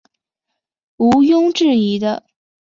无庸置疑的